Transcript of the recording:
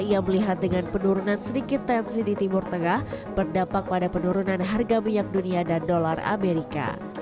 ia melihat dengan penurunan sedikit tensi di timur tengah berdampak pada penurunan harga minyak dunia dan dolar amerika